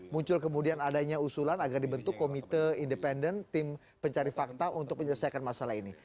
muncul kemudian adanya usulan agar dibentuk komite independen tim pencari fakta untuk menyelesaikan masalah ini